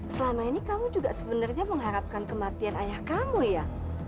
selama ini kamu juga sebenarnya mengharapkan kematian ayah kamu ya